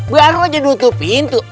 baru aja ditutup pintu